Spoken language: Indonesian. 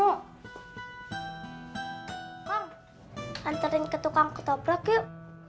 kam antarin ke tukang ketoprak yuk